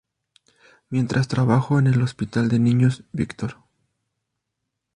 Mientras trabajó en el Hospital de Niños "Victor.